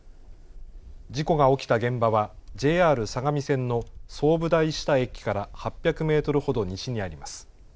事故が起きた現場はＪＲ相模線の相武台下駅から８００メートルほど西にあります。